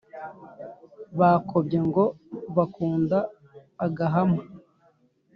bakobye ngo bakunda agahama.